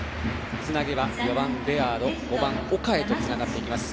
つなげば４番、レアード５番、岡へとつながります。